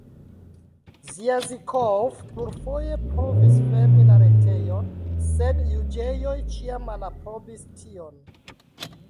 Zjazikov plurfoje provis fermi la retejon, sed juĝejoj ĉiam malaprobis tion.